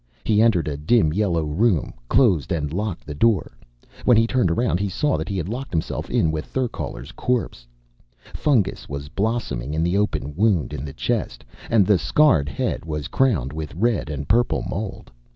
He entered a dim yellow room, closed and locked the door. When he turned around, he saw that he had locked himself in with Therkaler's corpse. Fungus was blossoming in the open wound in the chest, and the scarred head was crowned with red and purple mold.